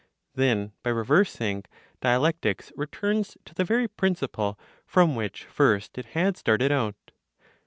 Then, by reversing, dialectics returns to the very Principle from which first it had started out.